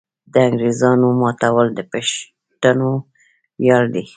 د انګریزامو ماتول د پښتنو ویاړ دی.